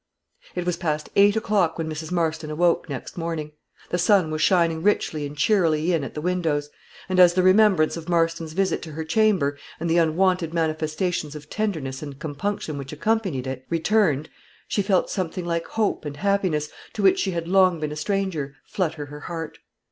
It was past eight o'clock when Mrs. Marston awoke next morning. The sun was shining richly and cheerily in at the windows; and as the remembrance of Marston's visit to her chamber, and the unwonted manifestations of tenderness and compunction which accompanied it, returned, she felt something like hope and happiness, to which she had long been a stranger, flutter her heart.